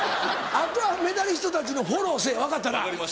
あとはメダリストたちのフォローせぇ分かったな。